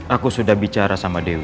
aku sudah bicara sama dewi